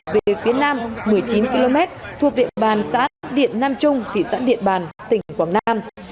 về phía nam một mươi chín km thuộc điện bàn xã điện nam trung thị xã điện bàn tỉnh quảng nam